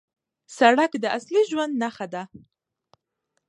سړک د عصري ژوند نښه ده.